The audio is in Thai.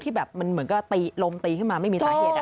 แบบมันเหมือนก็ตีลมตีขึ้นมาไม่มีสาเหตุ